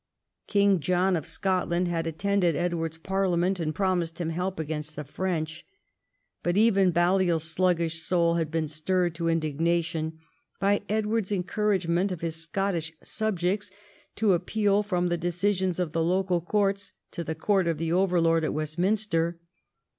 King John of Scotland had attended Edward's parliament and promised him help against the French. But even Balliol's sluggish soul had been stirred to indignation by Edward's encouragement of his Scottish subjects to appeal from the decisions of the local courts to the court of the overlord at West minster.